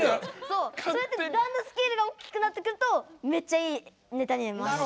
そうそうやってだんだんスケールが大きくなってくるとめっちゃいいネタになります。